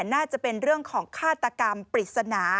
น่าจะเป็นเรื่องของฆาตกรรมปริศนา